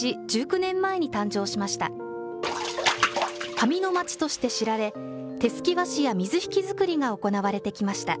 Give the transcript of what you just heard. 紙の町として知られ手すき和紙や、水引作りが行われてきました。